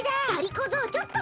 小僧ちょっと。